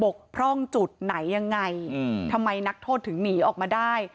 กพร่องจุดไหนยังไงอืมทำไมนักโทษถึงหนีออกมาได้